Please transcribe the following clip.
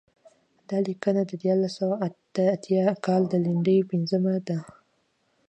دا لیکنه د دیارلس سوه اته اتیا کال د لیندۍ پنځمه ده.